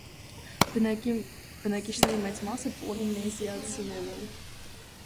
Բնակիչների մեծ մասը պոլինեզիացիներ են։